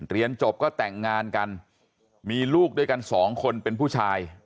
เรียนจบก็แต่งงานกันมีลูกด้วยกันสองคนเป็นผู้ชาย